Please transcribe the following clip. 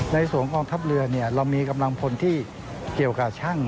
ในส่วนของกองทัพเรือเรามีกำลังพลที่เกี่ยวกับช่าง